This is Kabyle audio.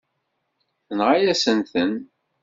Tenɣa-yasent-ten.